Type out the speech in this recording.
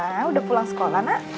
sudah pulang sekolah nak